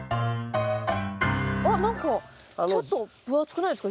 あっ何かちょっと分厚くないですか？